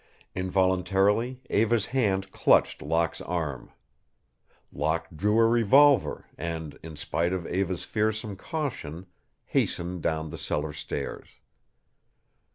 Involuntarily Eva's hand clutched Locke's arm. Locke drew a revolver and, in spite of Eva's fearsome caution, hastened down the cellar stairs.